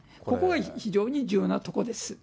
ここが非常に重要なところです。